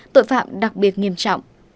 tội phạm đặc biệt nghiêm trọng